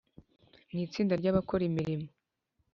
Mu itsinda ry abakora imirimo